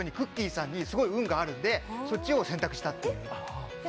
さんにすごく運があるので、そっちを選択したっていう。